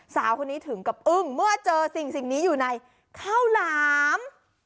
สาวคนนี้ถึงกับอึ้งเมื่อเจอสิ่งนี้อยู่ในข้าวหลาม